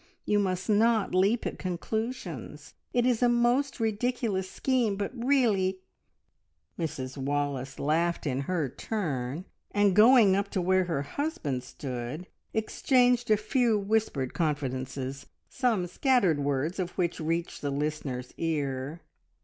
You must not leap at conclusions. It is a most ridiculous scheme, but really " Mrs Wallace laughed in her turn, and going up to where her husband stood, exchanged a few whispered confidences, some scattered words of which reached the listener's ear.